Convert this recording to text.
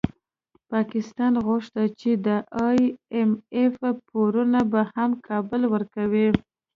پاکستان غوښتي چي د ای اېم اېف پورونه به هم کابل ورکوي